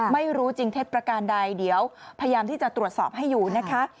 ไม่รู้จริงเท็จประการใดเดี๋ยวพยายามที่จะตรวจสอบให้อยู่นะคะ